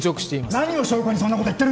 何を証拠にそんなこと言ってる？